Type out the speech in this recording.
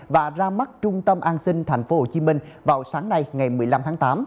và ra mắt trung tâm an sinh thành phố hồ chí minh vào sáng nay ngày một mươi năm tháng tám